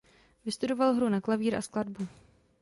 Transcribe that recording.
Vystudoval hru na klavír a skladbu.